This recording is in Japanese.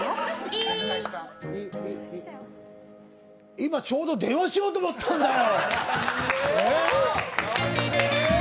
今ちょうど電話しようと思ったんだよ。